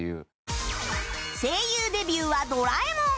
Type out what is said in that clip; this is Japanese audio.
声優デビューは『ドラえもん』